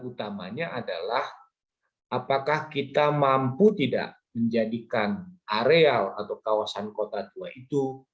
utamanya adalah apakah kita mampu tidak menjadikan areal atau kawasan kota tua itu